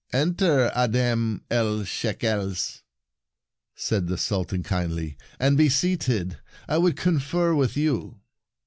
" Enter Adhem el Shekels," said the Sultan kindly, " and be seated. I would confer with you."